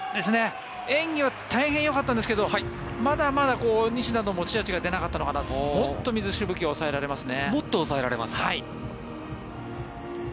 演技はよかったですがまだまだ西田の持ち味が出なかったのかなともっと抑えられますね。